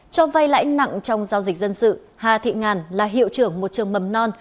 cho vay lãi nặng trong giao dịch dân sự hà thị ngàn là hiệu trưởng một trường mầm non